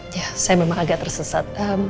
ya saya memang agak tersesat